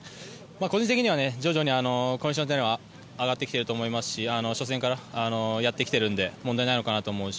個人的には徐々にコンディションは上がってきていると思いますし初戦からやっているので問題ないのかなと思うし。